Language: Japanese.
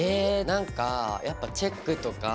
なんかやっぱチェックとか。